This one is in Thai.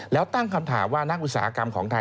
แล้วตั้งคำถามว่านักอุตสาหกรรมของไทย